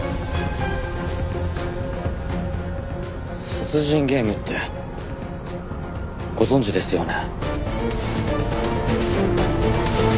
殺人ゲームってご存じですよね？